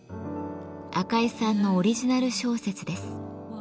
赤井さんのオリジナル小説です。